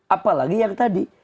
apalagi yang tadi